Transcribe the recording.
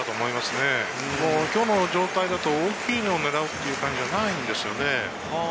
今日の状態だと、大きいのを狙うという感じじゃないんですよね。